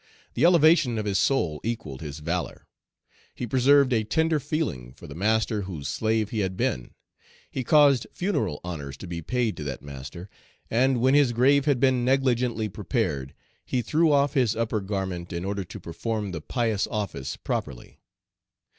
The elevation of his soul equalled his valor. He preserved a tender feeling for the master whose slave he had been; he caused funeral honors to be paid to that master, and when his grave had been negligently prepared, he threw off his upper garment in order to perform the pious office properly.